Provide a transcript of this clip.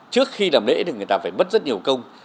trước khi làm lễ thì người ta phải mất rất nhiều công